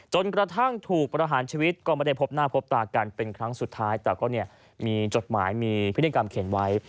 จนกระทั่งถูกประหารชีวิตก็ไม่ได้พบหน้าพบตากันเป็นครั้งสุดท้ายแต่ก็เนี่ยมีจดหมายมีพิธีกรรมเขียนไว้